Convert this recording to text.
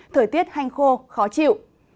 thời tiết hanh khô khó chịu